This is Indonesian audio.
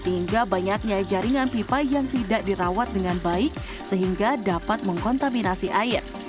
hingga banyaknya jaringan pipa yang tidak dirawat dengan baik sehingga dapat mengkontaminasi air